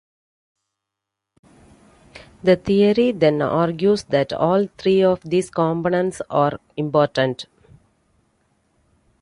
The theory, then, argues that all three of these components are important.